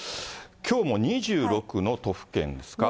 きょうも２６の都府県ですか。